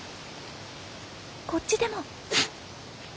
こっちでも。